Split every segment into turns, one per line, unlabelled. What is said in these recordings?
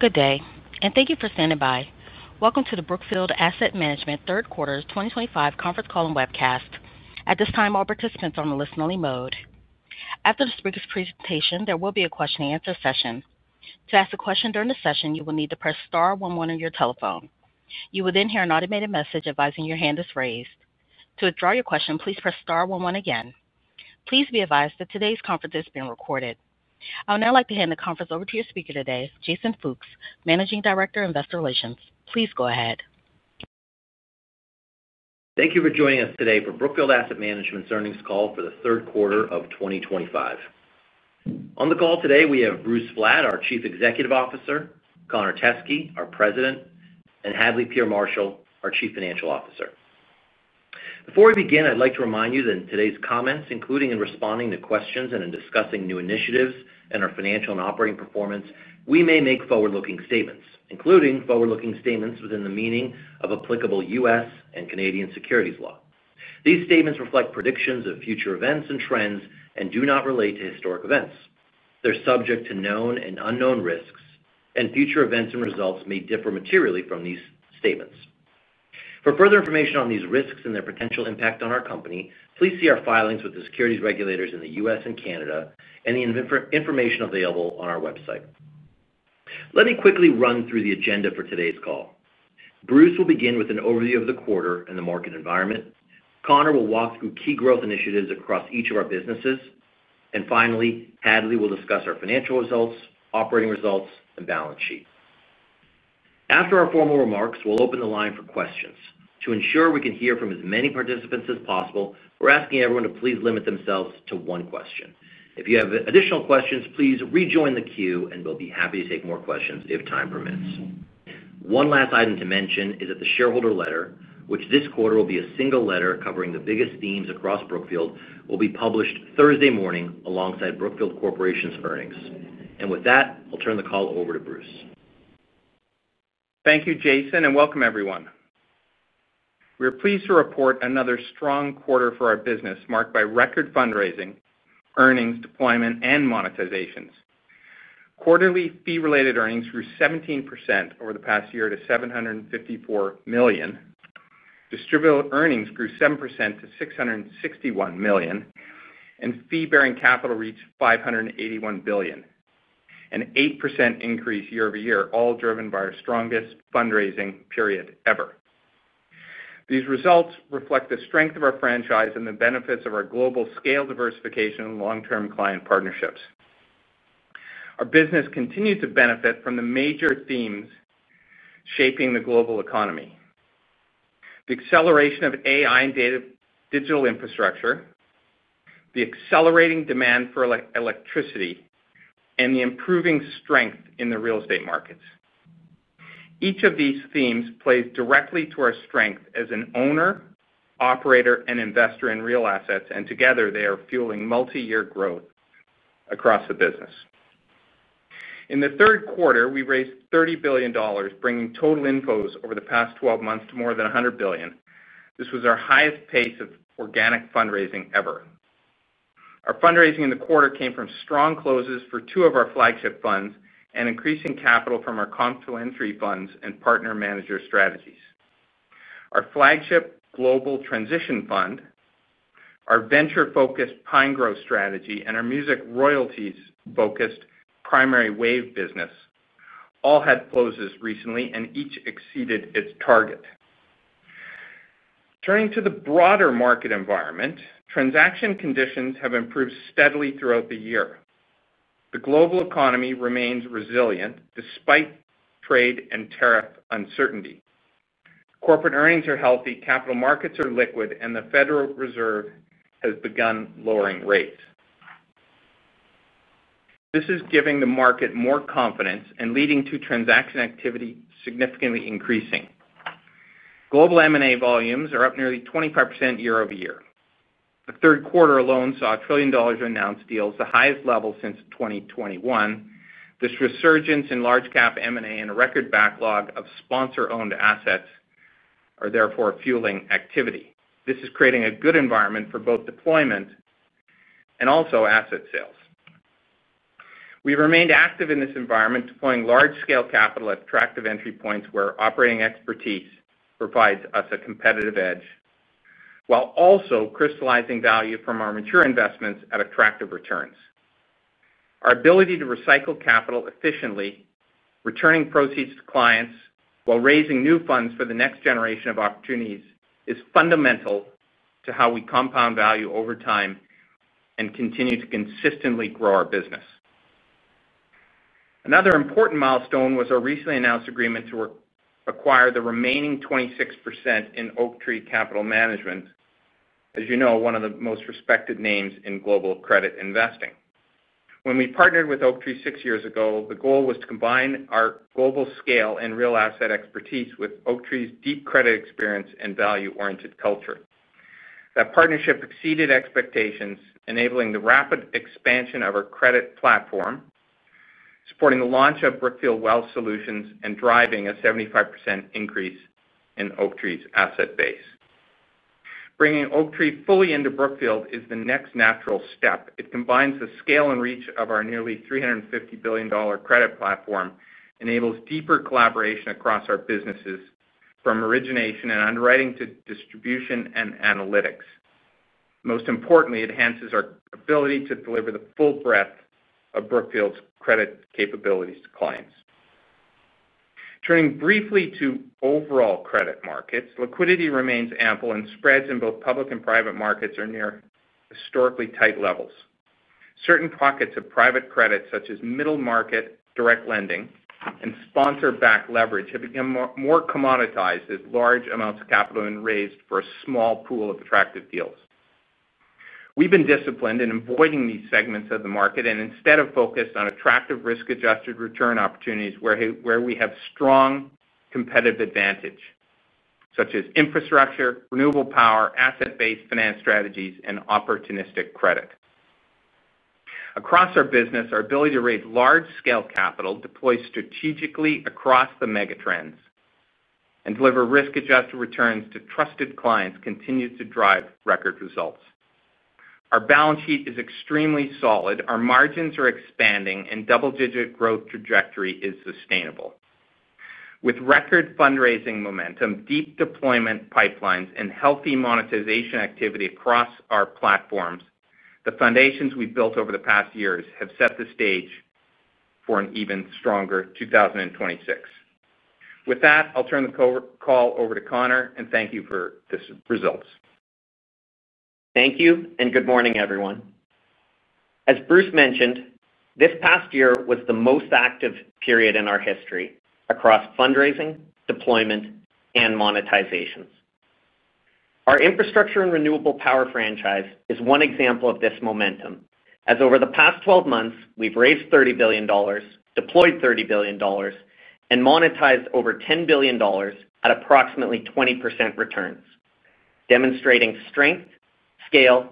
Good day, and thank you for standing by. Welcome to the Brookfield Asset Management third Quarter 2025 conference call and webcast. At this time, all participants are on a listen-only mode. After the speaker's presentation, there will be a question-and-answer session. To ask a question during the session, you will need to press star one one on your telephone. You will then hear an automated message advising your hand is raised. To withdraw your question, please press star one one again. Please be advised that today's conference is being recorded. I would now like to hand the conference over to your speaker today, Jason Fooks, Managing Director of Investor Relations. Please go ahead.
Thank you for joining us today for Brookfield Asset Management's earnings call for the third quarter of 2025. On the call today, we have Bruce Flatt, our Chief Executive Officer, Connor Teskey, our President, and Hadley Peer Marshall, our Chief Financial Officer. Before we begin, I'd like to remind you that in today's comments, including in responding to questions and in discussing new initiatives and our financial and operating performance, we may make forward-looking statements, including forward-looking statements within the meaning of applicable U.S. and Canadian securities law. These statements reflect predictions of future events and trends and do not relate to historic events. They're subject to known and unknown risks, and future events and results may differ materially from these statements. For further information on these risks and their potential impact on our company, please see our filings with the securities regulators in the U.S. and Canada, and the information available on our website. Let me quickly run through the agenda for today's call. Bruce will begin with an overview of the quarter and the market environment. Connor will walk through key growth initiatives across each of our businesses. Finally, Hadley will discuss our financial results, operating results, and balance sheet. After our formal remarks, we'll open the line for questions. To ensure we can hear from as many participants as possible, we're asking everyone to please limit themselves to one question. If you have additional questions, please rejoin the queue, and we'll be happy to take more questions if time permits. One last item to mention is that the shareholder letter, which this quarter will be a single letter covering the biggest themes across Brookfield, will be published Thursday morning alongside Brookfield Corporation's earnings. With that, I'll turn the call over to Bruce.
Thank you, Jason, and welcome, everyone. We're pleased to report another strong quarter for our business, marked by record fundraising, earnings deployment, and monetizations. Quarterly fee-related earnings grew 17% over the past year to $754 million, distributable earnings grew 7% to $661 million, and fee-bearing capital reached $581 billion, an 8% increase year-over-year, all driven by our strongest fundraising period ever. These results reflect the strength of our franchise and the benefits of our global scale, diversification, and long-term client partnerships. Our business continues to benefit from the major themes shaping the global economy: the acceleration of AI and data digital infrastructure, the accelerating demand for electricity, and the improving strength in the real estate markets. Each of these themes plays directly to our strength as an owner, operator, and investor in real assets, and together, they are fueling multi-year growth across the business. In the third quarter, we raised $30 billion, bringing total inflows over the past 12 months to more than $100 billion. This was our highest pace of organic fundraising ever. Our fundraising in the quarter came from strong closes for two of our flagship funds and increasing capital from our complementary funds and partner manager strategies. Our flagship global transition fund, our venture-focused Pinegrove strategy, and our music royalties-focused Primary Wave business all had closes recently and each exceeded its target. Turning to the broader market environment, transaction conditions have improved steadily throughout the year. The global economy remains resilient despite trade and tariff uncertainty. Corporate earnings are healthy, capital markets are liquid, and the Federal Reserve has begun lowering rates. This is giving the market more confidence and leading to transaction activity significantly increasing. Global M&A volumes are up nearly 25% year-over-year. The third quarter alone saw $1 trillion in announced deals, the highest level since 2021. This resurgence in large-cap M&A and a record backlog of sponsor-owned assets are therefore fueling activity. This is creating a good environment for both deployment and also asset sales. We've remained active in this environment, deploying large-scale capital at attractive entry points where operating expertise provides us a competitive edge, while also crystallizing value from our mature investments at attractive returns. Our ability to recycle capital efficiently, returning proceeds to clients, while raising new funds for the next generation of opportunities is fundamental to how we compound value over time and continue to consistently grow our business. Another important milestone was our recently announced agreement to acquire the remaining 26% in Oaktree Capital Management, as you know, one of the most respected names in global credit investing. When we partnered with Oaktree six years ago, the goal was to combine our global scale and real asset expertise with Oaktree's deep credit experience and value-oriented culture. That partnership exceeded expectations, enabling the rapid expansion of our credit platform, supporting the launch of Brookfield Wealth Solutions, and driving a 75% increase in Oaktree's asset base. Bringing Oaktree fully into Brookfield is the next natural step. It combines the scale and reach of our nearly $350 billion credit platform, enables deeper collaboration across our businesses from origination and underwriting to distribution and analytics. Most importantly, it enhances our ability to deliver the full breadth of Brookfield's credit capabilities to clients. Turning briefly to overall credit markets, liquidity remains ample and spreads in both public and private markets are near historically tight levels. Certain pockets of private credit, such as middle-market direct lending and sponsor-backed leverage, have become more commoditized as large amounts of capital have been raised for a small pool of attractive deals. We've been disciplined in avoiding these segments of the market and instead have focused on attractive risk-adjusted return opportunities where we have strong competitive advantage, such as infrastructure, renewable power, asset-backed finance strategies, and opportunistic credit. Across our business, our ability to raise large-scale capital, deploy strategically across the megatrends, and deliver risk-adjusted returns to trusted clients continues to drive record results. Our balance sheet is extremely solid. Our margins are expanding, and double-digit growth trajectory is sustainable. With record fundraising momentum, deep deployment pipelines, and healthy monetization activity across our platforms, the foundations we've built over the past years have set the stage for an even stronger 2026. With that, I'll turn the call over to Connor and thank you for these results.
Thank you, and good morning, everyone. As Bruce mentioned, this past year was the most active period in our history across fundraising, deployment, and monetizations. Our infrastructure and renewable power franchise is one example of this momentum, as over the past 12 months, we've raised $30 billion, deployed $30 billion, and monetized over $10 billion at approximately 20% returns, demonstrating strength, scale,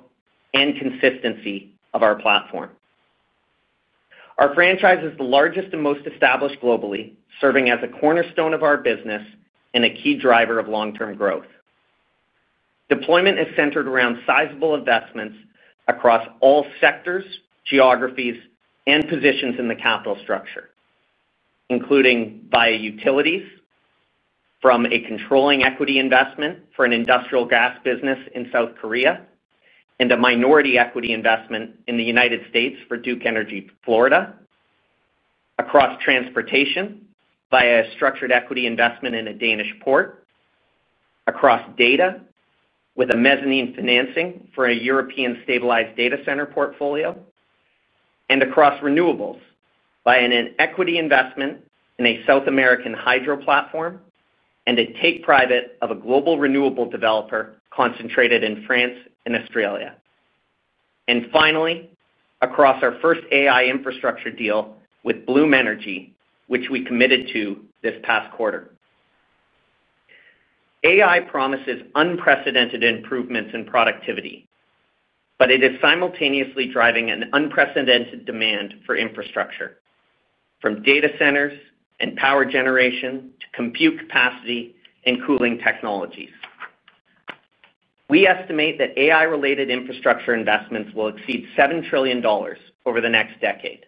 and consistency of our platform. Our franchise is the largest and most established globally, serving as a cornerstone of our business and a key driver of long-term growth. Deployment is centered around sizable investments across all sectors, geographies, and positions in the capital structure, including via utilities from a controlling equity investment for an industrial gas business in South Korea and a minority equity investment in the United States for Duke Energy, Florida, across transportation via a structured equity investment in a Danish port, across data with a mezzanine financing for a European stabilized data center portfolio, and across renewables via an equity investment in a South American hydro platform and a take-private of a global renewable developer concentrated in France and Australia. Finally, across our first AI infrastructure deal with Bloom Energy, which we committed to this past quarter. AI promises unprecedented improvements in productivity, but it is simultaneously driving an unprecedented demand for infrastructure, from data centers and power generation to compute capacity and cooling technologies. We estimate that AI-related infrastructure investments will exceed $7 trillion over the next decade.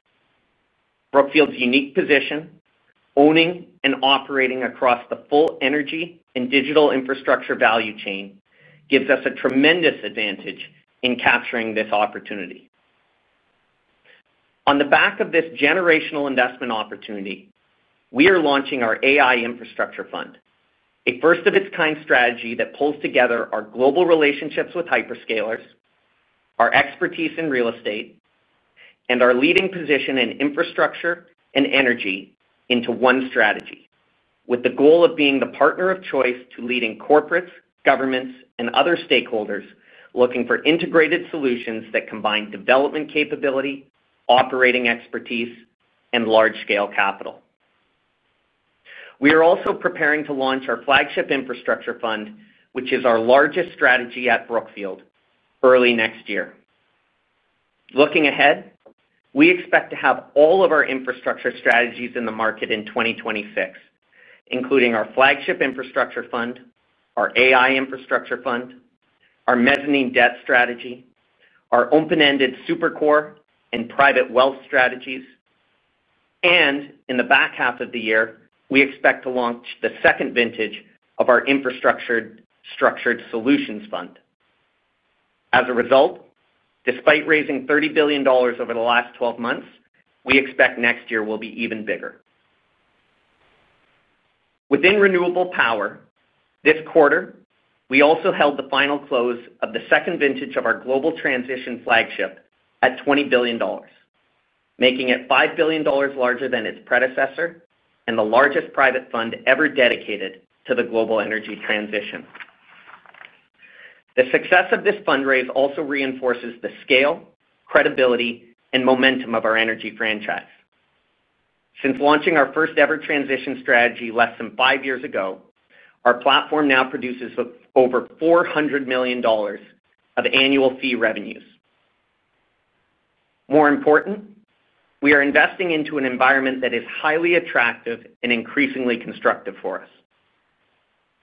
Brookfield's unique position, owning and operating across the full energy and digital infrastructure value chain, gives us a tremendous advantage in capturing this opportunity. On the back of this generational investment opportunity, we are launching our AI Infrastructure Fund, a first-of-its-kind strategy that pulls together our global relationships with hyperscalers, our expertise in real estate, and our leading position in infrastructure and energy into one strategy, with the goal of being the partner of choice to leading corporates, governments, and other stakeholders looking for integrated solutions that combine development capability, operating expertise, and large-scale capital. We are also preparing to launch our flagship infrastructure fund, which is our largest strategy at Brookfield, early next year. Looking ahead, we expect to have all of our infrastructure strategies in the market in 2026, including our flagship infrastructure fund, our AI infrastructure fund, our mezzanine debt strategy, our open-ended Super Core and private wealth strategies. In the back half of the year, we expect to launch the second vintage of our infrastructure structured solutions fund. As a result, despite raising $30 billion over the last 12 months, we expect next year will be even bigger. Within renewable power, this quarter, we also held the final close of the second vintage of our global transition flagship at $20 billion, making it $5 billion larger than its predecessor and the largest private fund ever dedicated to the global energy transition. The success of this fundraise also reinforces the scale, credibility, and momentum of our energy franchise. Since launching our first-ever transition strategy less than five years ago, our platform now produces over $400 million of annual fee revenues. More important, we are investing into an environment that is highly attractive and increasingly constructive for us.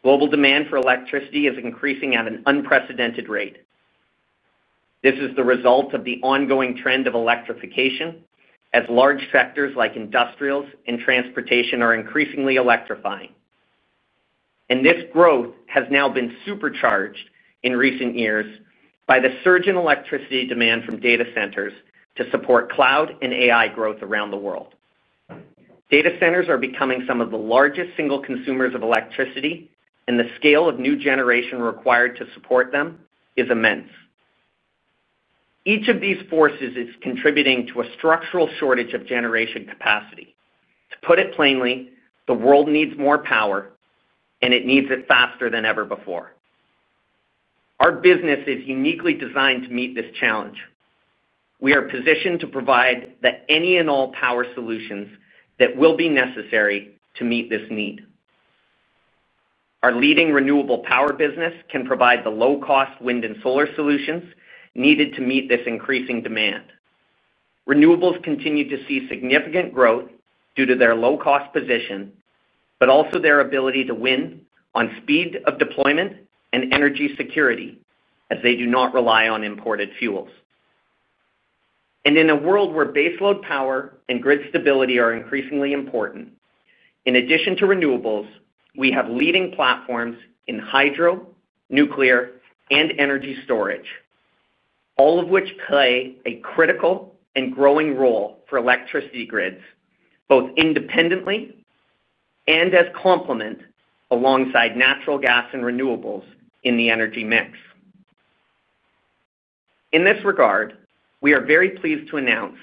Global demand for electricity is increasing at an unprecedented rate. This is the result of the ongoing trend of electrification, as large sectors like industrials and transportation are increasingly electrifying. This growth has now been supercharged in recent years by the surge in electricity demand from data centers to support cloud and AI growth around the world. Data centers are becoming some of the largest single consumers of electricity, and the scale of new generation required to support them is immense. Each of these forces is contributing to a structural shortage of generation capacity. To put it plainly, the world needs more power, and it needs it faster than ever before. Our business is uniquely designed to meet this challenge. We are positioned to provide any and all power solutions that will be necessary to meet this need. Our leading renewable power business can provide the low-cost wind and solar solutions needed to meet this increasing demand. Renewables continue to see significant growth due to their low-cost position, but also their ability to win on speed of deployment and energy security, as they do not rely on imported fuels. In a world where baseload power and grid stability are increasingly important, in addition to renewables, we have leading platforms in hydro, nuclear, and energy storage, all of which play a critical and growing role for electricity grids, both independently and as complement alongside natural gas and renewables in the energy mix. In this regard, we are very pleased to announce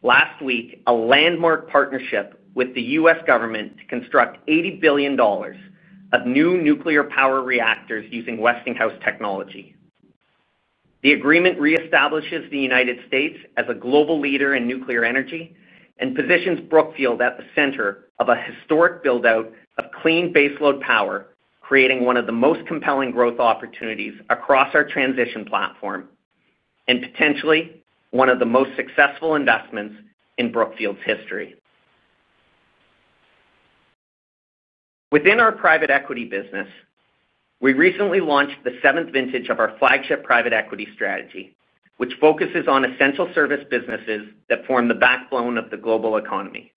last week a landmark partnership with the U.S. government to construct $80 billion of new nuclear power reactors using Westinghouse technology. The agreement reestablishes the United States as a global leader in nuclear energy and positions Brookfield at the center of a historic buildout of clean baseload power, creating one of the most compelling growth opportunities across our transition platform and potentially one of the most successful investments in Brookfield's history. Within our private equity business, we recently launched the seventh vintage of our flagship private equity strategy, which focuses on essential service businesses that form the backbone of the global economy.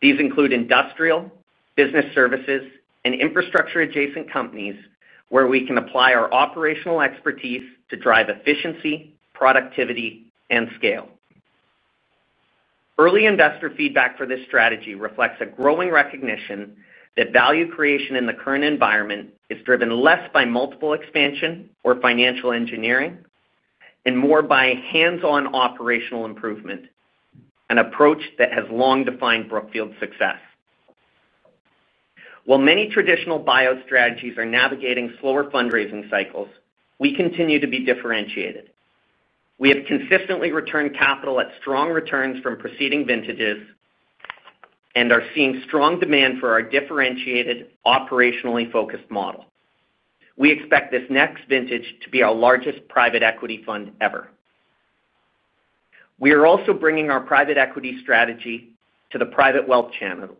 These include industrial, business services, and infrastructure-adjacent companies where we can apply our operational expertise to drive efficiency, productivity, and scale. Early investor feedback for this strategy reflects a growing recognition that value creation in the current environment is driven less by multiple expansion or financial engineering and more by hands-on operational improvement, an approach that has long defined Brookfield's success. While many traditional buyout strategies are navigating slower fundraising cycles, we continue to be differentiated. We have consistently returned capital at strong returns from preceding vintages and are seeing strong demand for our differentiated, operationally focused model. We expect this next vintage to be our largest private equity fund ever. We are also bringing our private equity strategy to the private wealth channel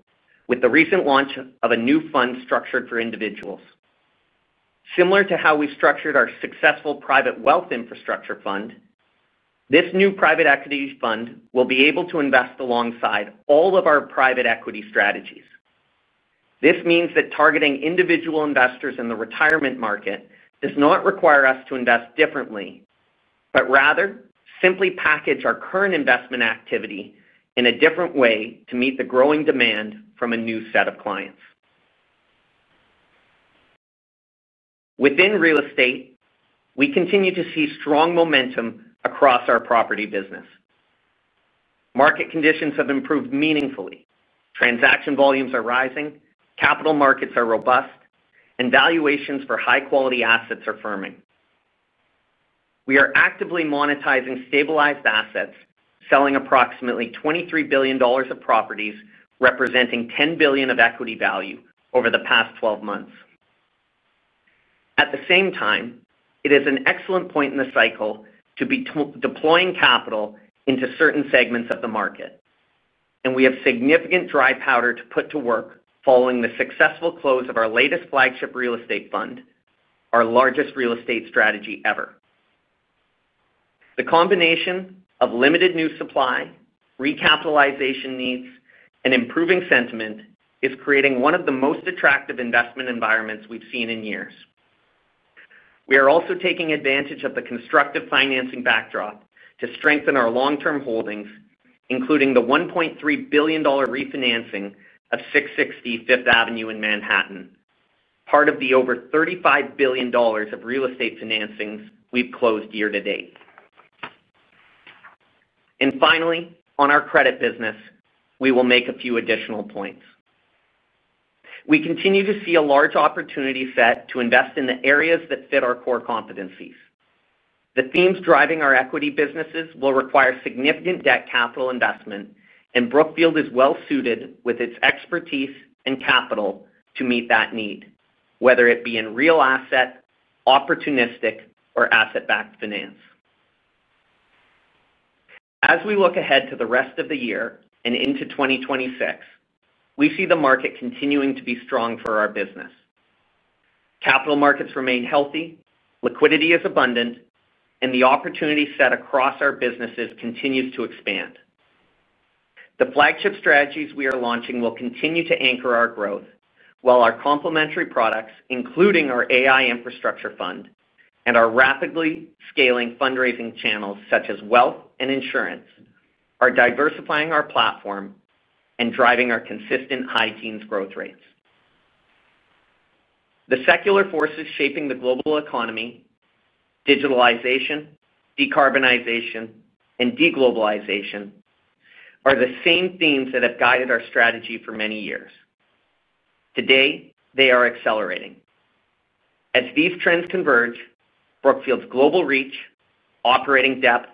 with the recent launch of a new fund structured for individuals. Similar to how we structured our successful private wealth infrastructure fund, this new private equity fund will be able to invest alongside all of our private equity strategies. This means that targeting individual investors in the retirement market does not require us to invest differently, but rather simply package our current investment activity in a different way to meet the growing demand from a new set of clients. Within real estate, we continue to see strong momentum across our property business. Market conditions have improved meaningfully. Transaction volumes are rising, capital markets are robust, and valuations for high-quality assets are firming. We are actively monetizing stabilized assets, selling approximately $23 billion of properties representing $10 billion of equity value over the past 12 months. At the same time, it is an excellent point in the cycle to be deploying capital into certain segments of the market, and we have significant dry powder to put to work following the successful close of our latest flagship real estate fund, our largest real estate strategy ever. The combination of limited new supply, recapitalization needs, and improving sentiment is creating one of the most attractive investment environments we've seen in years. We are also taking advantage of the constructive financing backdrop to strengthen our long-term holdings, including the $1.3 billion refinancing of 666 Fifth Avenue in Manhattan, part of the over $35 billion of real estate financings we've closed year to date. Finally, on our credit business, we will make a few additional points. We continue to see a large opportunity set to invest in the areas that fit our core competencies. The themes driving our equity businesses will require significant debt capital investment, and Brookfield is well-suited with its expertise and capital to meet that need, whether it be in real asset, opportunistic, or asset-backed finance. As we look ahead to the rest of the year and into 2026, we see the market continuing to be strong for our business. Capital markets remain healthy, liquidity is abundant, and the opportunity set across our businesses continues to expand. The flagship strategies we are launching will continue to anchor our growth, while our complementary products, including our AI infrastructure fund and our rapidly scaling fundraising channels such as wealth and insurance, are diversifying our platform and driving our consistent high teens growth rates. The secular forces shaping the global economy, digitalization, decarbonization, and deglobalization are the same themes that have guided our strategy for many years. Today, they are accelerating. As these trends converge, Brookfield's global reach, operating depth,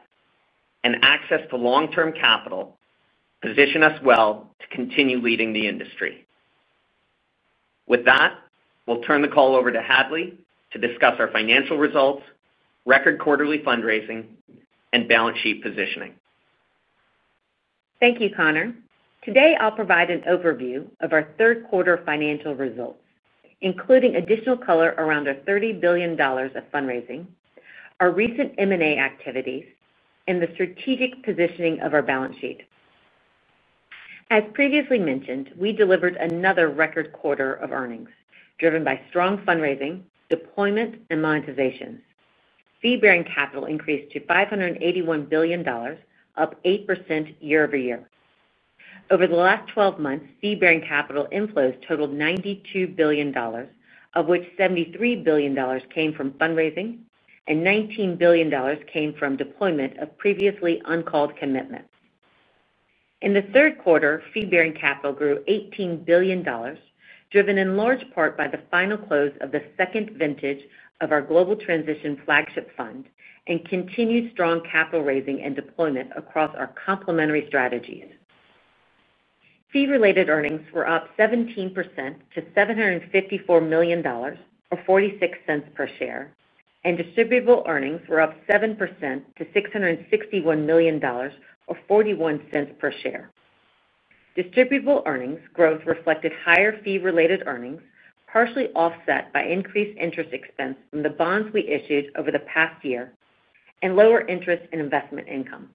and access to long-term capital position us well to continue leading the industry. With that, we'll turn the call over to Hadley to discuss our financial results, record quarterly fundraising, and balance sheet positioning.
Thank you, Connor. Today, I'll provide an overview of our third quarter financial results, including additional color around our $30 billion of fundraising, our recent M&A activities, and the strategic positioning of our balance sheet. As previously mentioned, we delivered another record quarter of earnings driven by strong fundraising, deployment, and monetization. Fee-bearing capital increased to $581 billion, up 8% year-over-year. Over the last 12 months, fee-bearing capital inflows totaled $92 billion, of which $73 billion came from fundraising and $19 billion came from deployment of previously uncalled commitments. In the third quarter, fee-bearing capital grew $18 billion, driven in large part by the final close of the second vintage of our global transition flagship fund and continued strong capital raising and deployment across our complementary strategies. Fee-related earnings were up 17% to $754 million, or $0.46 per share, and distributable earnings were up 7% to $661 million, or $0.41 per share. Distributable earnings growth reflected higher fee-related earnings, partially offset by increased interest expense from the bonds we issued over the past year and lower interest and investment income.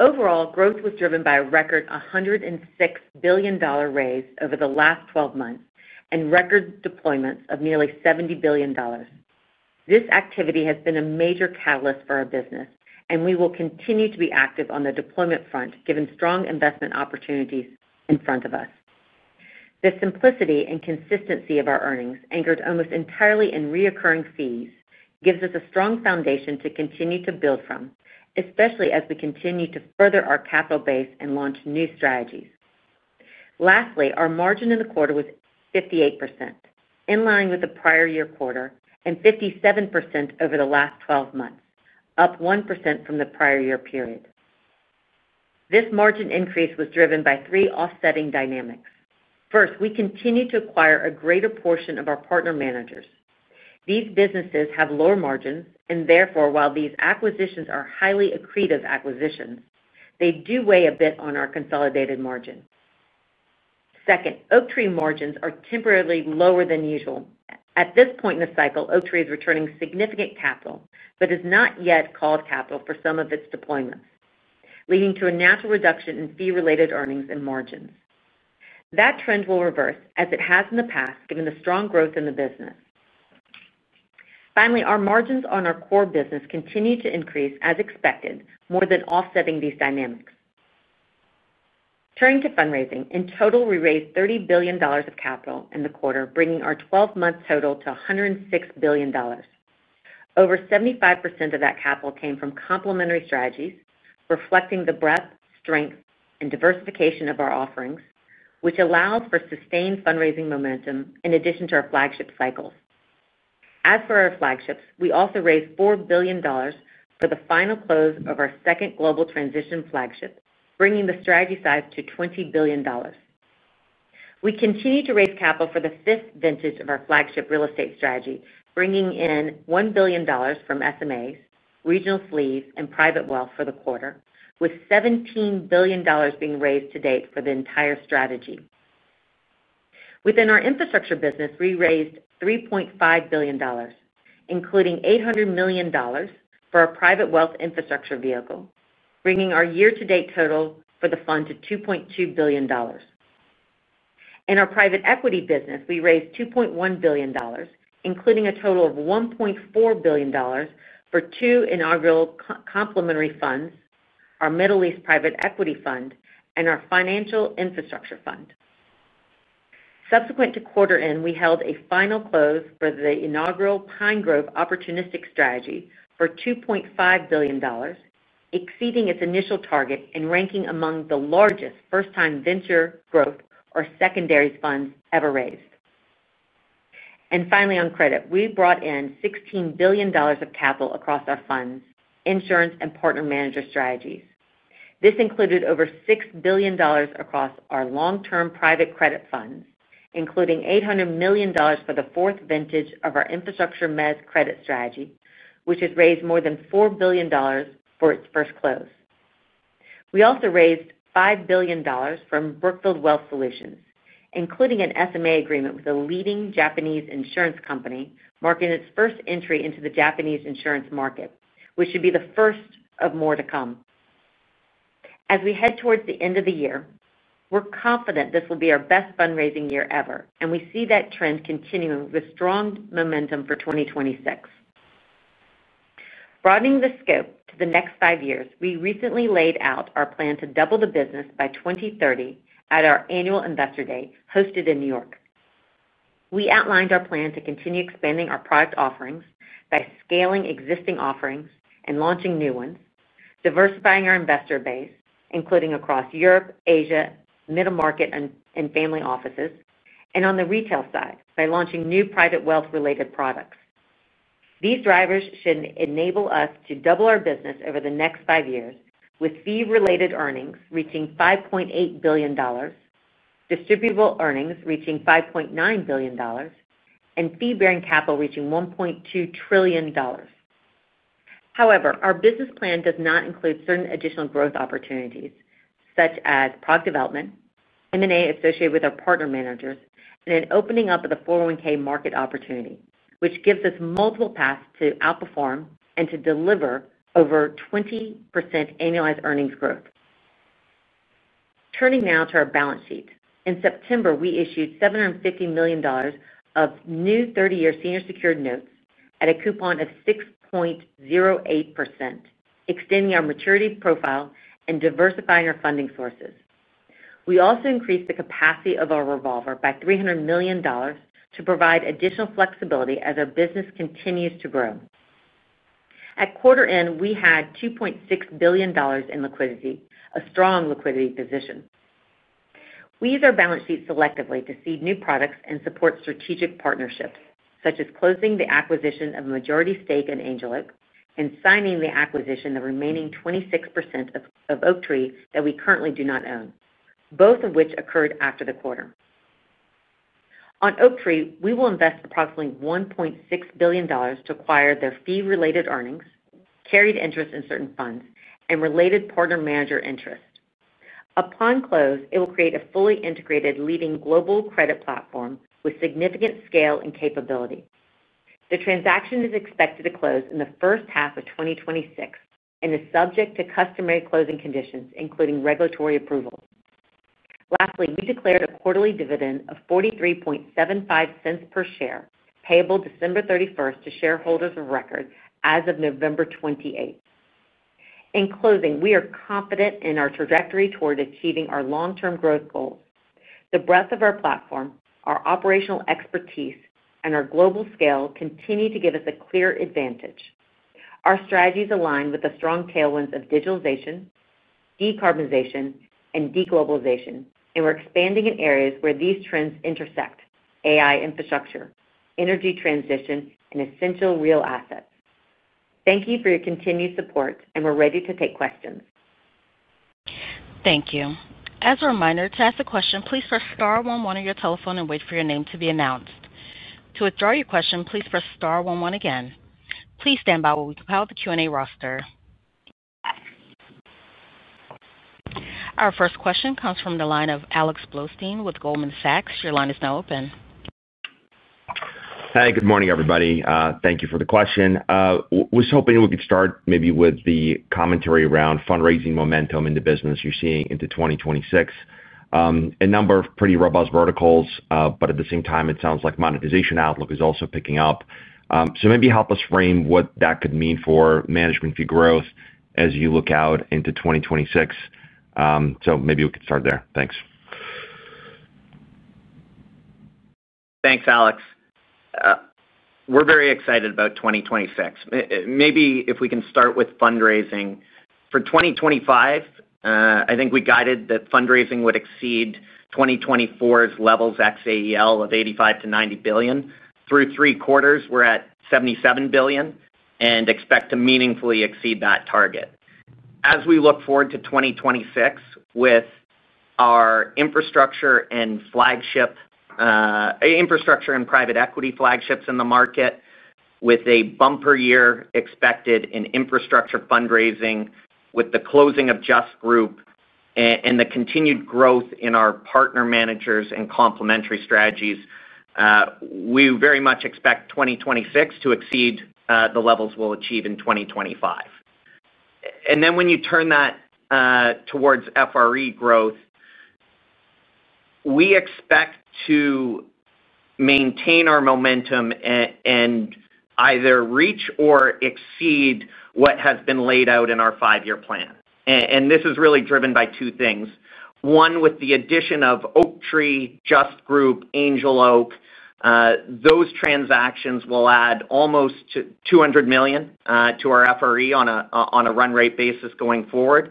Overall, growth was driven by a record $106 billion raise over the last 12 months and record deployments of nearly $70 billion. This activity has been a major catalyst for our business, and we will continue to be active on the deployment front, given strong investment opportunities in front of us. The simplicity and consistency of our earnings, anchored almost entirely in recurring fees, gives us a strong foundation to continue to build from, especially as we continue to further our capital base and launch new strategies. Lastly, our margin in the quarter was 58%, in line with the prior year quarter, and 57% over the last 12 months, up 1% from the prior year period. This margin increase was driven by three offsetting dynamics. First, we continue to acquire a greater portion of our partner managers. These businesses have lower margins, and therefore, while these acquisitions are highly accretive acquisitions, they do weigh a bit on our consolidated margin. Second, Oaktree margins are temporarily lower than usual. At this point in the cycle, Oaktree is returning significant capital but has not yet called capital for some of its deployments, leading to a natural reduction in fee-related earnings and margins. That trend will reverse as it has in the past, given the strong growth in the business. Finally, our margins on our core business continue to increase as expected, more than offsetting these dynamics. Turning to fundraising, in total, we raised $30 billion of capital in the quarter, bringing our 12-month total to $106 billion. Over 75% of that capital came from complementary strategies, reflecting the breadth, strength, and diversification of our offerings, which allows for sustained fundraising momentum in addition to our flagship cycles. As for our flagships, we also raised $4 billion for the final close of our second global transition flagship, bringing the strategy size to $20 billion. We continue to raise capital for the fifth vintage of our flagship real estate strategy, bringing in $1 billion from SMAs, regional sleeves, and private wealth for the quarter, with $17 billion being raised to date for the entire strategy. Within our infrastructure business, we raised $3.5 billion, including $800 million for our private wealth infrastructure vehicle, bringing our year-to-date total for the fund to $2.2 billion. In our private equity business, we raised $2.1 billion, including a total of $1.4 billion for two inaugural complementary funds, our Middle East Private Equity Fund and our Financial Infrastructure Fund. Subsequent to quarter end, we held a final close for the inaugural Pinegrove Opportunistic Strategy for $2.5 billion, exceeding its initial target and ranking among the largest first-time venture growth or secondary funds ever raised. Finally, on credit, we brought in $16 billion of capital across our funds, insurance, and partner manager strategies. This included over $6 billion across our long-term private credit funds, including $800 million for the fourth vintage of our Infrastructure Mezz Credit Strategy, which has raised more than $4 billion for its first close. We also raised $5 billion from Brookfield Wealth Solutions, including an SMA agreement with a leading Japanese insurance company, marking its first entry into the Japanese insurance market, which should be the first of more to come. As we head towards the end of the year, we're confident this will be our best fundraising year ever, and we see that trend continuing with strong momentum for 2026. Broadening the scope to the next five years, we recently laid out our plan to double the business by 2030 at our annual investor day hosted in New York. We outlined our plan to continue expanding our product offerings by scaling existing offerings and launching new ones, diversifying our investor base, including across Europe, Asia, middle market, and family offices, and on the retail side by launching new private wealth-related products. These drivers should enable us to double our business over the next five years, with fee-related earnings reaching $5.8 billion, distributable earnings reaching $5.9 billion, and fee-bearing capital reaching $1.2 trillion. However, our business plan does not include certain additional growth opportunities, such as product development, M&A associated with our partner managers, and an opening up of the 401(k) market opportunity, which gives us multiple paths to outperform and to deliver over 20% annualized earnings growth. Turning now to our balance sheet, in September, we issued $750 million of new 30-year senior secured notes at a coupon of 6.08%, extending our maturity profile and diversifying our funding sources. We also increased the capacity of our revolver by $300 million to provide additional flexibility as our business continues to grow. At quarter end, we had $2.6 billion in liquidity, a strong liquidity position. We use our balance sheet selectively to seed new products and support strategic partnerships, such as closing the acquisition of majority stake in Angel Oak and signing the acquisition of the remaining 26% of Oaktree that we currently do not own, both of which occurred after the quarter. On Oaktree, we will invest approximately $1.6 billion to acquire their fee-related earnings, carried interest in certain funds, and related partner manager interest. Upon close, it will create a fully integrated, leading global credit platform with significant scale and capability. The transaction is expected to close in the first half of 2026 and is subject to customary closing conditions, including regulatory approval. Lastly, we declared a quarterly dividend of $43.75 per share, payable December 31st to shareholders of record as of November 28th. In closing, we are confident in our trajectory toward achieving our long-term growth goals. The breadth of our platform, our operational expertise, and our global scale continue to give us a clear advantage. Our strategies align with the strong tailwinds of digitalization, decarbonization, and deglobalization, and we're expanding in areas where these trends intersect: AI infrastructure, energy transition, and essential real assets. Thank you for your continued support, and we're ready to take questions.
Thank you. As a reminder, to ask a question, please press star one one on your telephone and wait for your name to be announced. To withdraw your question, please press star one one again. Please stand by while we compile the Q&A roster. Our first question comes from the line of Alex Blostein with Goldman Sachs. Your line is now open.
Hey, good morning, everybody. Thank you for the question. I was hoping we could start maybe with the commentary around fundraising momentum in the business you're seeing into 2026. A number of pretty robust verticals, but at the same time, it sounds like monetization outlook is also picking up. Maybe help us frame what that could mean for management fee growth as you look out into 2026. Maybe we could start there. Thanks.
Thanks, Alex. We're very excited about 2026. Maybe if we can start with fundraising. For 2025, I think we guided that fundraising would exceed 2024's levels, XL, of $85 billion-$90 billion. Through three quarters, we're at $77 billion and expect to meaningfully exceed that target. As we look forward to 2026 with our infrastructure and private equity flagships in the market, with a bumper year expected in infrastructure fundraising with the closing of Just Group and the continued growth in our partner managers and complementary strategies, we very much expect 2026 to exceed the levels we'll achieve in 2025. When you turn that towards FRE growth, we expect to maintain our momentum and either reach or exceed what has been laid out in our five-year plan. This is really driven by two things. One, with the addition of Oaktree, Just Group, Angel Oak, those transactions will add almost $200 million to our FRE on a run rate basis going forward.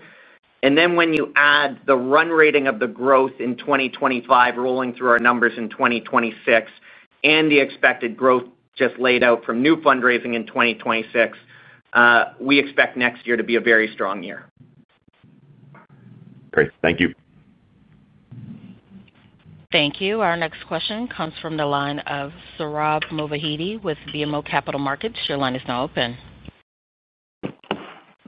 When you add the run rating of the growth in 2025, rolling through our numbers in 2026, and the expected growth just laid out from new fundraising in 2026, we expect next year to be a very strong year.
Great. Thank you.
Thank you. Our next question comes from the line of Sohrab Movahedi with BMO Capital Markets. Your line is now open.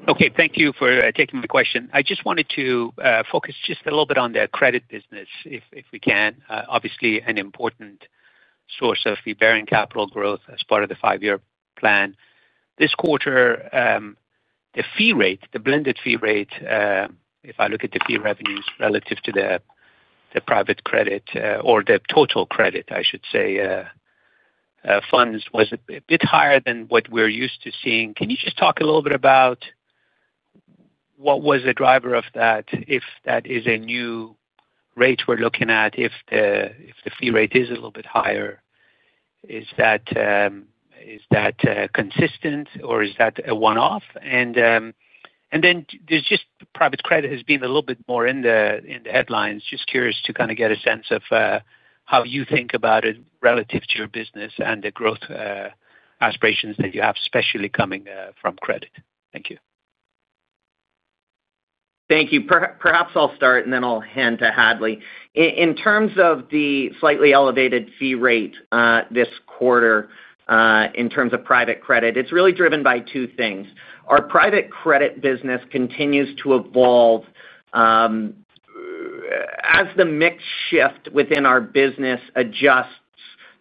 Okay. Thank you for taking my question. I just wanted to focus just a little bit on the credit business, if we can. Obviously, an important source of fee-bearing capital growth as part of the five-year plan. This quarter, the fee rate, the blended fee rate, if I look at the fee revenues relative to the private credit or the total credit, I should say, funds was a bit higher than what we're used to seeing. Can you just talk a little bit about what was the driver of that? If that is a new rate we're looking at, if the fee rate is a little bit higher, is that consistent or is that a one-off? Then there's just private credit has been a little bit more in the headlines. Just curious to kind of get a sense of how you think about it relative to your business and the growth aspirations that you have, especially coming from credit. Thank you.
Thank you. Perhaps I'll start, and then I'll hand to Hadley. In terms of the slightly elevated fee rate this quarter in terms of private credit, it's really driven by two things. Our private credit business continues to evolve as the mix shift within our business adjusts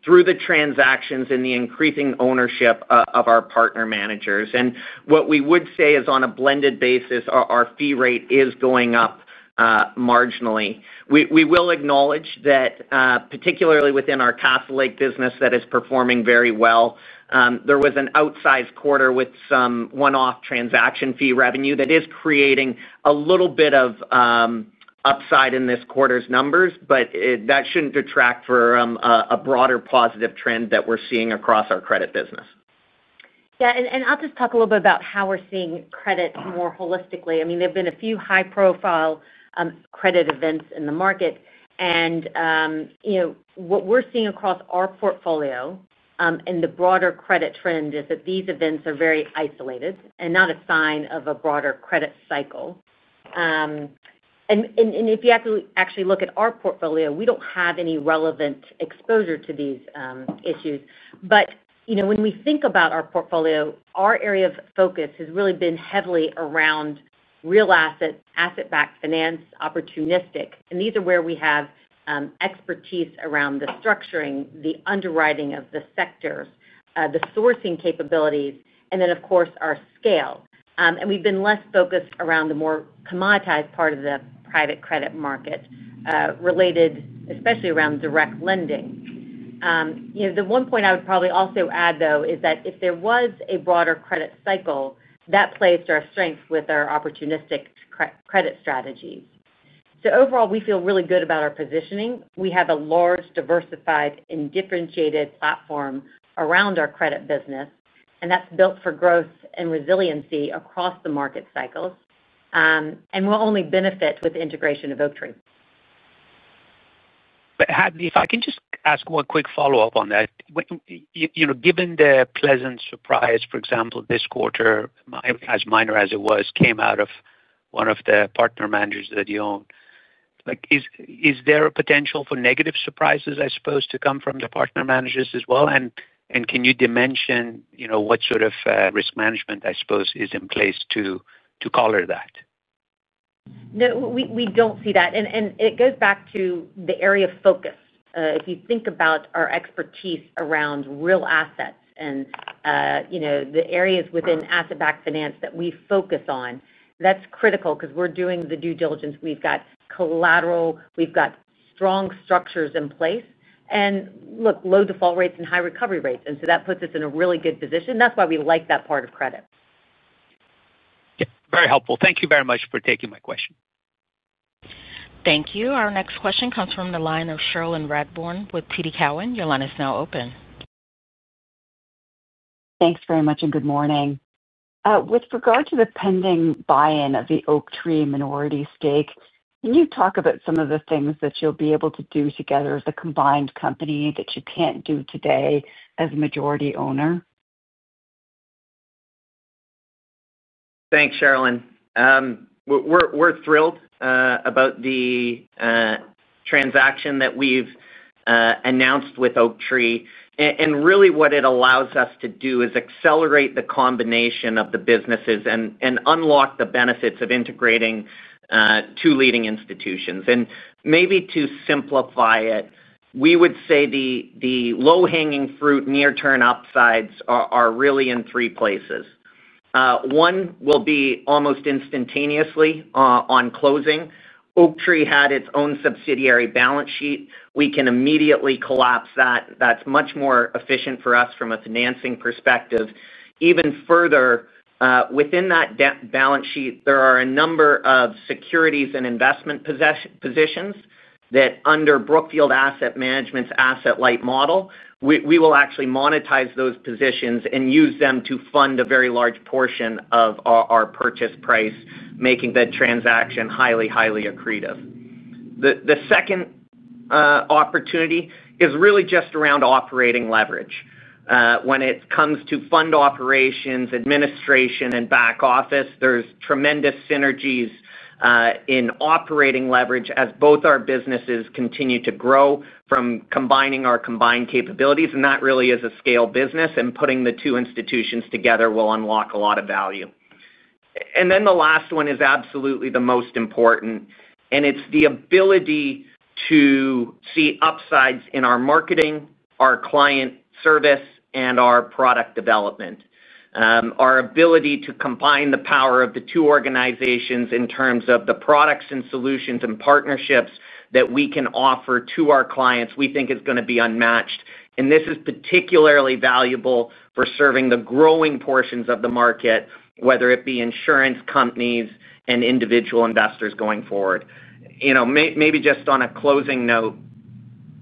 through the transactions and the increasing ownership of our partner managers. And what we would say is, on a blended basis, our fee rate is going up marginally. We will acknowledge that, particularly within our Castle Lake business that is performing very well, there was an outsized quarter with some one-off transaction fee revenue that is creating a little bit of upside in this quarter's numbers, but that should not detract from a broader positive trend that we're seeing across our credit business.
Yeah. I'll just talk a little bit about how we're seeing credit more holistically. I mean, there have been a few high-profile credit events in the market. What we're seeing across our portfolio and the broader credit trend is that these events are very isolated and not a sign of a broader credit cycle. If you actually look at our portfolio, we do not have any relevant exposure to these issues. When we think about our portfolio, our area of focus has really been heavily around real asset, asset-backed finance, opportunistic. These are where we have expertise around the structuring, the underwriting of the sectors, the sourcing capabilities, and then, of course, our scale. We have been less focused around the more commoditized part of the private credit market, related especially around direct lending. The one point I would probably also add, though, is that if there was a broader credit cycle, that plays to our strength with our opportunistic credit strategies. Overall, we feel really good about our positioning. We have a large, diversified, and differentiated platform around our credit business, and that is built for growth and resiliency across the market cycles. We will only benefit with the integration of Oaktree.
If I can just ask one quick follow-up on that. Given the pleasant surprise, for example, this quarter, as minor as it was, came out of one of the partner managers that you own, is there a potential for negative surprises, I suppose, to come from the partner managers as well? Can you dimension what sort of risk management, I suppose, is in place to color that?
No, we do not see that. It goes back to the area of focus. If you think about our expertise around real assets and the areas within asset-backed finance that we focus on, that is critical because we are doing the due diligence. We have got collateral. We have got strong structures in place. Look, low default rates and high recovery rates. That puts us in a really good position. That is why we like that part of credit.
Very helpful. Thank you very much for taking my question.
Thank you. Our next question comes from the line of Cherilyn Radbourne with TD Cowan. Your line is now open.
Thanks very much and good morning. With regard to the pending buy-in of the Oaktree minority stake, can you talk about some of the things that you'll be able to do together as a combined company that you can't do today as a majority owner?
Thanks, Cherilyn. We're thrilled about the transaction that we've announced with Oaktree. What it allows us to do is accelerate the combination of the businesses and unlock the benefits of integrating two leading institutions. Maybe to simplify it, we would say the low-hanging fruit, near-term upsides are really in three places. One will be almost instantaneously on closing. Oaktree had its own subsidiary balance sheet. We can immediately collapse that. That's much more efficient for us from a financing perspective. Even further, within that balance sheet, there are a number of securities and investment positions that, under Brookfield Asset Management's asset-light model, we will actually monetize those positions and use them to fund a very large portion of our purchase price, making the transaction highly, highly accretive. The second opportunity is really just around operating leverage. When it comes to fund operations, administration, and back office, there is tremendous synergies in operating leverage as both our businesses continue to grow from combining our combined capabilities. That really is a scale business, and putting the two institutions together will unlock a lot of value. The last one is absolutely the most important. It is the ability to see upsides in our marketing, our client service, and our product development. Our ability to combine the power of the two organizations in terms of the products and solutions and partnerships that we can offer to our clients, we think, is going to be unmatched. This is particularly valuable for serving the growing portions of the market, whether it be insurance companies and individual investors going forward. Maybe just on a closing note,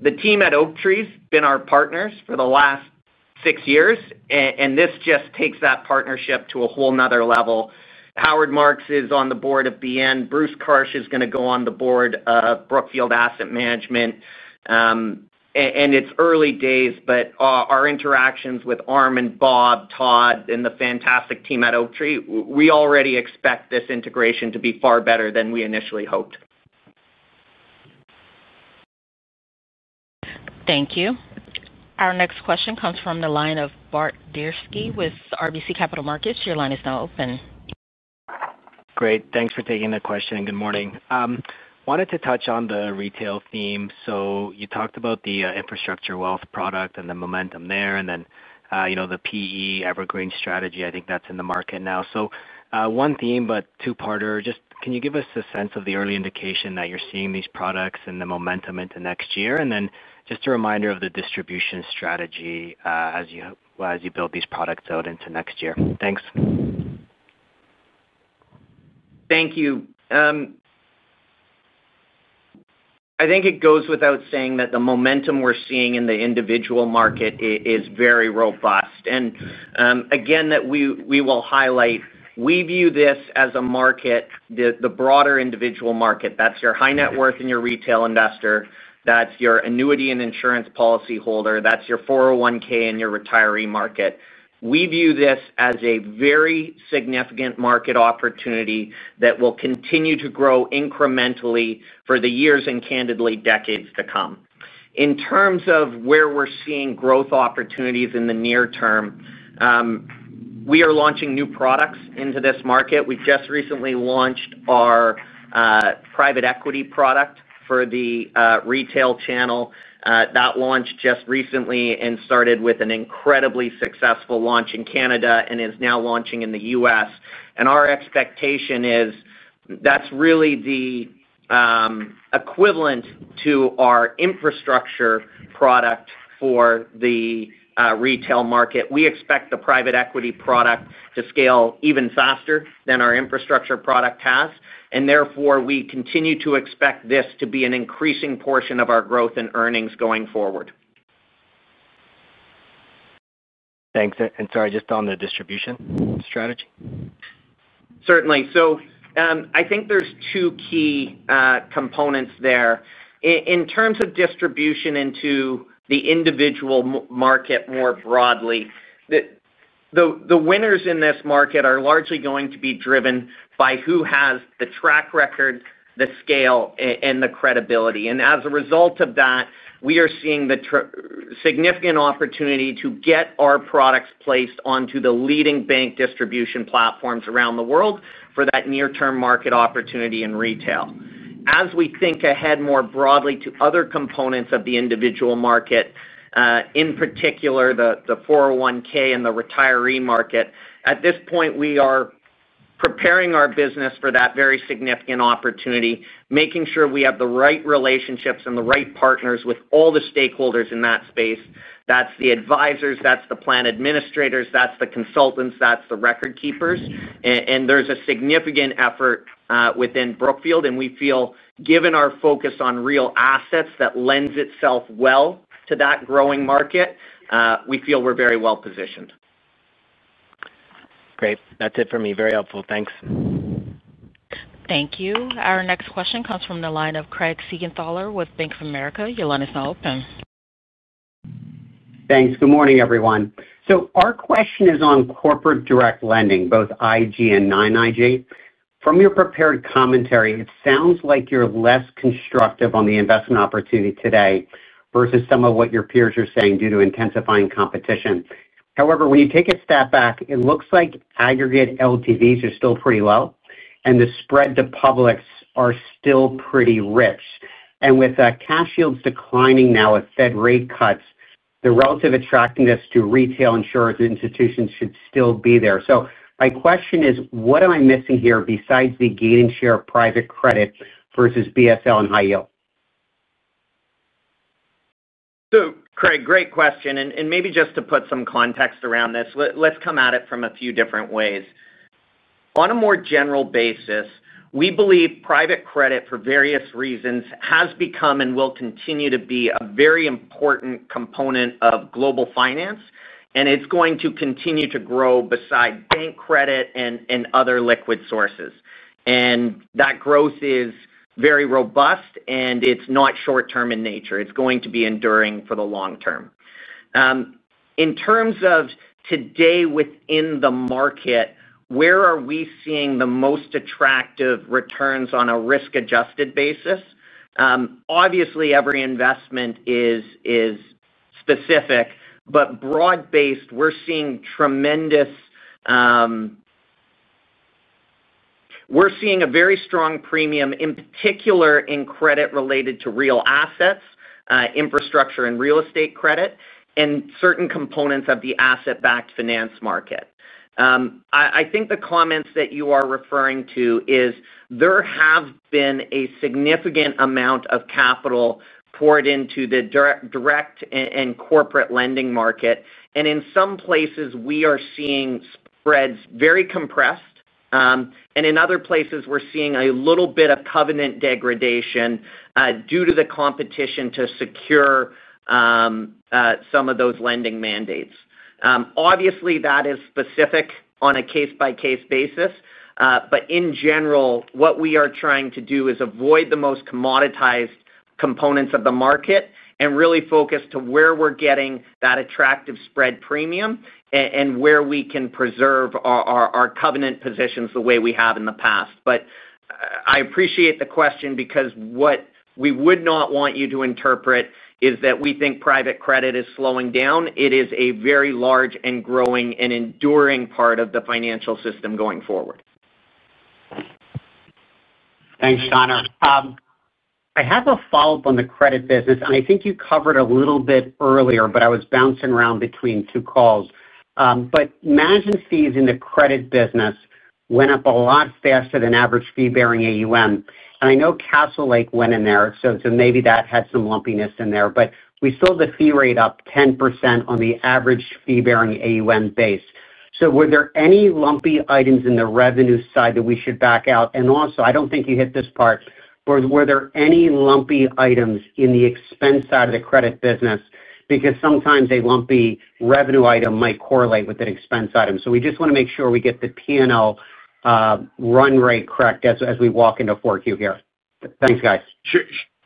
the team at Oaktree has been our partners for the last six years, and this just takes that partnership to a whole nother level. Howard Marks is on the board of BN, Bruce Karsh is going to go on the board of Brookfield Asset Management. It is early days, but our interactions with Armen, Bob, Todd, and the fantastic team at Oaktree, we already expect this integration to be far better than we initially hoped.
Thank you. Our next question comes from the line of Bart Dziarski with RBC Capital Markets. Your line is now open.
Great. Thanks for taking the question. Good morning. Wanted to touch on the retail theme. You talked about the infrastructure wealth product and the momentum there, and then the PE evergreen strategy. I think that's in the market now. One theme, but two-parter. Just can you give us a sense of the early indication that you're seeing these products and the momentum into next year? And then just a reminder of the distribution strategy as you build these products out into next year. Thanks.
Thank you. I think it goes without saying that the momentum we're seeing in the individual market is very robust. Again, we will highlight, we view this as a market, the broader individual market. That's your high net worth and your retail investor. That's your annuity and insurance policy holder. That's your 401(k) and your retiree market. We view this as a very significant market opportunity that will continue to grow incrementally for the years and candidly decades to come. In terms of where we're seeing growth opportunities in the near term, we are launching new products into this market. We've just recently launched our private equity product for the retail channel. That launched just recently and started with an incredibly successful launch in Canada and is now launching in the U.S. Our expectation is that's really the equivalent to our infrastructure product for the retail market. We expect the private equity product to scale even faster than our infrastructure product has. Therefore, we continue to expect this to be an increasing portion of our growth and earnings going forward.
Thanks. Sorry, just on the distribution strategy?
Certainly. I think there's two key components there. In terms of distribution into the individual market more broadly, the winners in this market are largely going to be driven by who has the track record, the scale, and the credibility. As a result of that, we are seeing the significant opportunity to get our products placed onto the leading bank distribution platforms around the world for that near-term market opportunity in retail. As we think ahead more broadly to other components of the individual market, in particular the 401(k) and the retiree market, at this point, we are preparing our business for that very significant opportunity, making sure we have the right relationships and the right partners with all the stakeholders in that space. That's the advisors. That's the plan administrators. That's the consultants. That's the record keepers. There's a significant effort within Brookfield. We feel, given our focus on real assets that lends itself well to that growing market, we feel we're very well positioned.
Great. That's it for me. Very helpful. Thanks.
Thank you. Our next question comes from the line of Craig Siegenthaler with Bank of America. Your line is now open.
Thanks. Good morning, everyone. Our question is on corporate direct lending, both IG and non-IG. From your prepared commentary, it sounds like you're less constructive on the investment opportunity today versus some of what your peers are saying due to intensifying competition. However, when you take a step back, it looks like aggregate LTVs are still pretty low, and the spread to publics are still pretty rich. With cash yields declining now with Fed rate cuts, the relative attractiveness to retail insurers and institutions should still be there. My question is, what am I missing here besides the gain in share of private credit versus BSL and high yield?
Craig, great question. Maybe just to put some context around this, let's come at it from a few different ways. On a more general basis, we believe private credit, for various reasons, has become and will continue to be a very important component of global finance. It's going to continue to grow beside bank credit and other liquid sources. That growth is very robust, and it's not short-term in nature. It's going to be enduring for the long term. In terms of today within the market, where are we seeing the most attractive returns on a risk-adjusted basis? Obviously, every investment is specific. Broad-based, we're seeing tremendous, we're seeing a very strong premium, in particular in credit related to real assets, infrastructure, and real estate credit, and certain components of the asset-backed finance market. I think the comments that you are referring to is there have been a significant amount of capital poured into the direct and corporate lending market. In some places, we are seeing spreads very compressed. In other places, we're seeing a little bit of covenant degradation due to the competition to secure some of those lending mandates. Obviously, that is specific on a case-by-case basis. In general, what we are trying to do is avoid the most commoditized components of the market and really focus to where we're getting that attractive spread premium and where we can preserve our covenant positions the way we have in the past. I appreciate the question because what we would not want you to interpret is that we think private credit is slowing down. It is a very large and growing and enduring part of the financial system going forward.
Thanks, Connor. I have a follow-up on the credit business. I think you covered a little bit earlier, but I was bouncing around between two calls. Managing fees in the credit business went up a lot faster than average fee-bearing AUM. I know Castle Lake went in there, so maybe that had some lumpiness in there. We sold the fee rate up 10% on the average fee-bearing AUM base. Were there any lumpy items in the revenue side that we should back out? Also, I do not think you hit this part. Were there any lumpy items in the expense side of the credit business? Because sometimes a lumpy revenue item might correlate with an expense item. We just want to make sure we get the P&L run rate correct as we walk into Q4 here. Thanks, guys.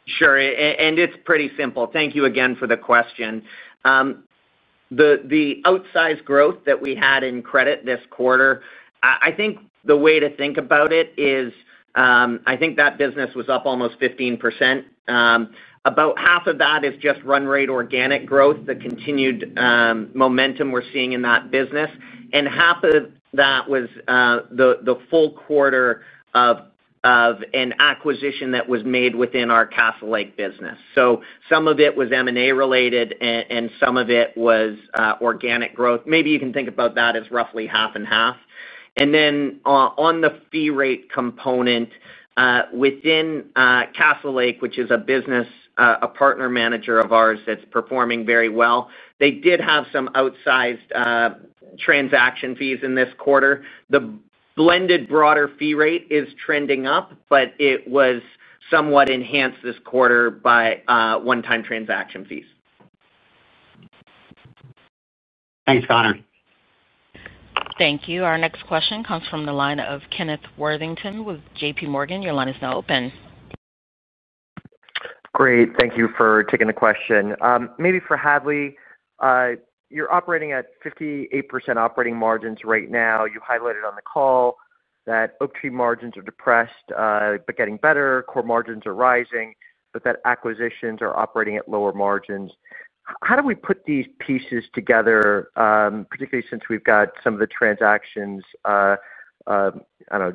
Sure. It is pretty simple. Thank you again for the question. The outsized growth that we had in credit this quarter, I think the way to think about it is that business was up almost 15%. About half of that is just run rate organic growth, the continued momentum we are seeing in that business. Half of that was the full quarter of an acquisition that was made within our Castle Lake business. Some of it was M&A related, and some of it was organic growth. Maybe you can think about that as roughly half and half. On the fee rate component, within Castle Lake, which is a business, a partner manager of ours that's performing very well, they did have some outsized transaction fees in this quarter. The blended broader fee rate is trending up, but it was somewhat enhanced this quarter by one-time transaction fees.
Thanks, Connor.
Thank you. Our next question comes from the line of Kenneth Worthington with JPMorgan. Your line is now open.
Great. Thank you for taking the question. Maybe for Hadley, you're operating at 58% operating margins right now. You highlighted on the call that Oaktree margins are depressed but getting better, core margins are rising, but acquisitions are operating at lower margins. How do we put these pieces together, particularly since we've got some of the transactions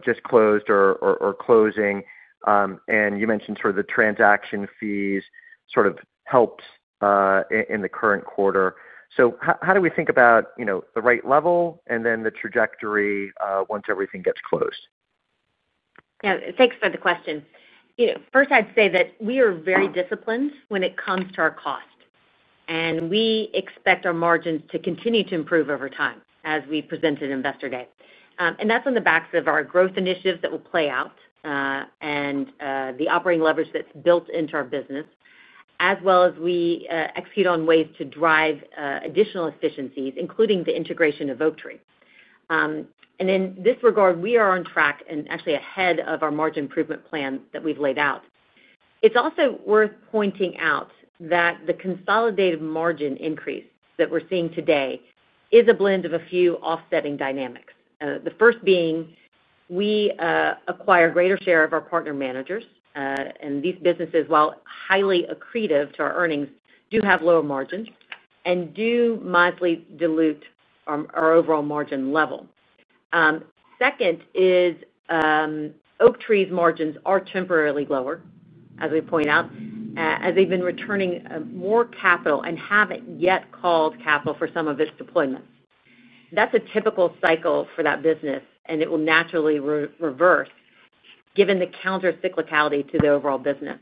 just closed or closing? You mentioned sort of the transaction fees sort of helped in the current quarter. How do we think about the right level and then the trajectory once everything gets closed?
Yeah. Thanks for the question. First, I'd say that we are very disciplined when it comes to our cost. We expect our margins to continue to improve over time as we presented at investor day. That is on the backs of our growth initiatives that will play out and the operating leverage that is built into our business, as well as as we execute on ways to drive additional efficiencies, including the integration of Oaktree. In this regard, we are on track and actually ahead of our margin improvement plan that we have laid out. It is also worth pointing out that the consolidated margin increase that we are seeing today is a blend of a few offsetting dynamics. The first being, we acquire a greater share of our partner managers, and these businesses, while highly accretive to our earnings, do have lower margins and do mildly dilute our overall margin level. Second is Oaktree's margins are temporarily lower, as we point out, as they've been returning more capital and haven't yet called capital for some of its deployments. That's a typical cycle for that business, and it will naturally reverse given the countercyclicality to the overall business.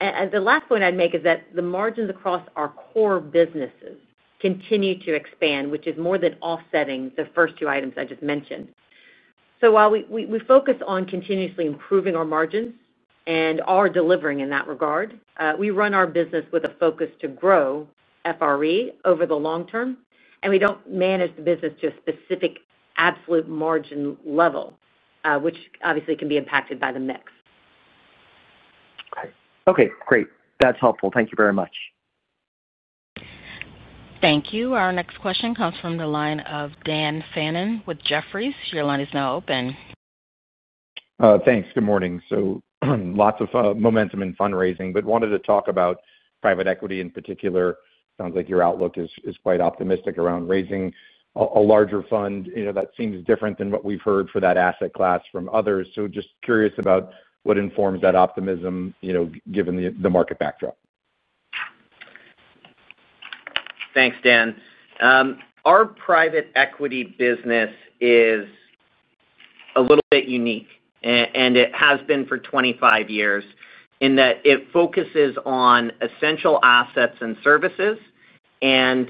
The last point I'd make is that the margins across our core businesses continue to expand, which is more than offsetting the first two items I just mentioned. While we focus on continuously improving our margins and are delivering in that regard, we run our business with a focus to grow FRE over the long term, and we do not manage the business to a specific absolute margin level, which obviously can be impacted by the mix.
Okay. Okay. Great. That is helpful. Thank you very much.
Thank you. Our next question comes from the line of Dan Fannon with Jefferies. Your line is now open.
Thanks. Good morning. Lots of momentum in fundraising, but I wanted to talk about private equity in particular. It sounds like your outlook is quite optimistic around raising a larger fund. That seems different than what we have heard for that asset class from others. I am just curious about what informs that optimism given the market backdrop.
Thanks, Dan. Our private equity business is a little bit unique, and it has been for 25 years in that it focuses on essential assets and services. As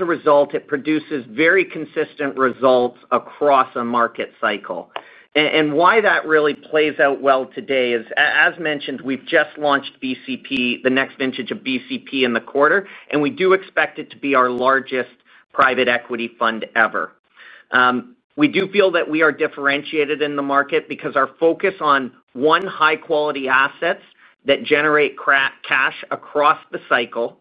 a result, it produces very consistent results across a market cycle. Why that really plays out well today is, as mentioned, we've just launched the next vintage of BCP in the quarter, and we do expect it to be our largest private equity fund ever. We do feel that we are differentiated in the market because our focus on one high-quality asset that generates cash across the cycle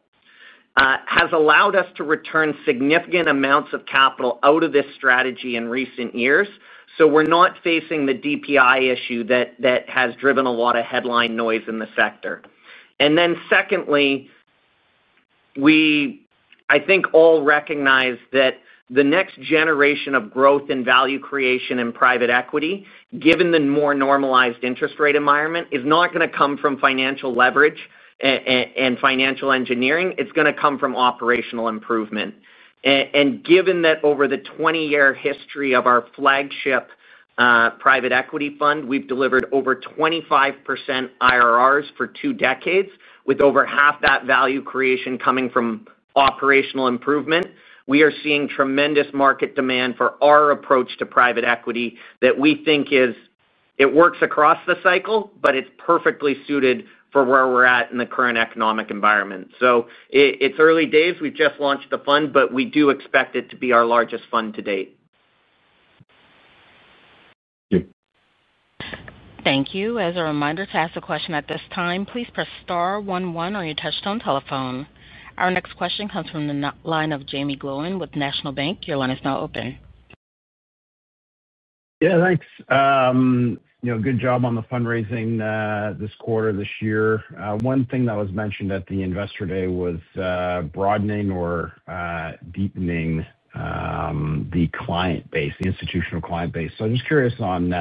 has allowed us to return significant amounts of capital out of this strategy in recent years. We are not facing the DPI issue that has driven a lot of headline noise in the sector. I think all recognize that the next generation of growth and value creation in private equity, given the more normalized interest rate environment, is not going to come from financial leverage and financial engineering. It's going to come from operational improvement. Given that over the 20-year history of our flagship private equity fund, we've delivered over 25% IRRs for two decades, with over half that value creation coming from operational improvement. We are seeing tremendous market demand for our approach to private equity that we think works across the cycle, but it's perfectly suited for where we're at in the current economic environment. It's early days. We've just launched the fund, but we do expect it to be our largest fund to date.
Thank you.
Thank you. As a reminder to ask a question at this time, please press star one one on your touch-tone telephone. Our next question comes from the line of Jaeme Gloyn with National Bank. Your line is now open.
Yeah. Thanks. Good job on the fundraising this quarter, this year. One thing that was mentioned at the investor day was broadening or deepening the client base, institutional client base. I'm just curious on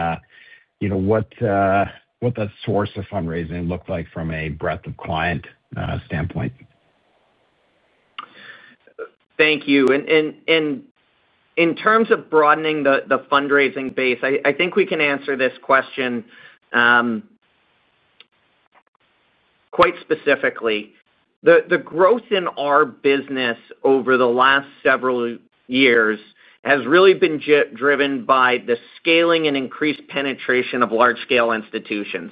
what that source of fundraising looked like from a breadth of client standpoint.
Thank you. In terms of broadening the fundraising base, I think we can answer this question quite specifically. The growth in our business over the last several years has really been driven by the scaling and increased penetration of large-scale institutions.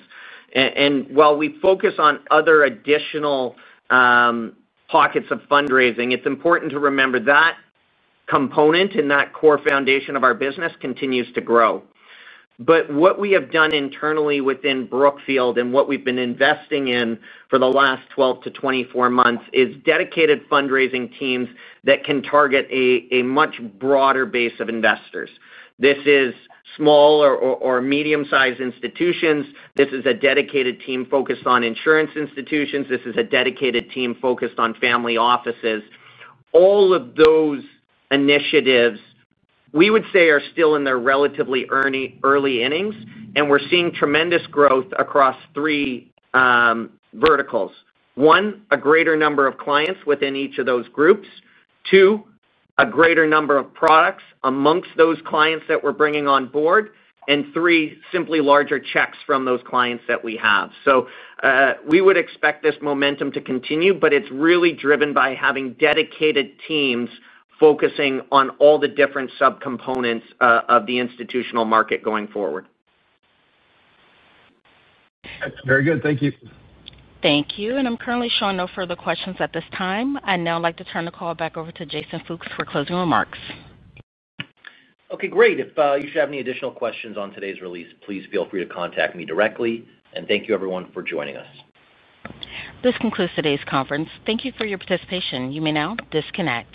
While we focus on other additional pockets of fundraising, it's important to remember that component and that core foundation of our business continues to grow. What we have done internally within Brookfield and what we've been investing in for the last 12-24 months is dedicated fundraising teams that can target a much broader base of investors. This is small or medium-sized institutions, this is a dedicated team focused on insurance institutions, this is a dedicated team focused on family offices. All of those initiatives, we would say, are still in their relatively early innings. We are seeing tremendous growth across three verticals. One, a greater number of clients within each of those groups. Two, a greater number of products amongst those clients that we are bringing on board. Three, simply larger checks from those clients that we have. We would expect this momentum to continue, but it is really driven by having dedicated teams focusing on all the different subcomponents of the institutional market going forward.
Very good. Thank you.
Thank you. I am currently showing no further questions at this time. I now like to turn the call back over to Jason Fooks for closing remarks.
Okay. Great. If you should have any additional questions on today's release, please feel free to contact me directly. Thank you, everyone, for joining us.
This concludes today's conference. Thank you for your participation. You may now disconnect.